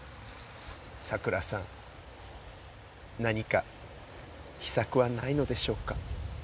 さくらさん何か秘策はないのでしょうか？